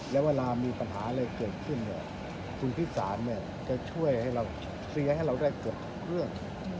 แล้วเวลามีปัญหาอะไรเกิดขึ้นเนี่ยคุณพิสารจะช่วยให้เราเคลียร์ให้เราได้เกือบเรื่อง